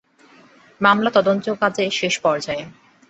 মামলা তদন্তকাজ শেষ পর্যায়ে।